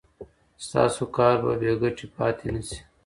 ستاسو کار به بې ګټې پاتې نشي.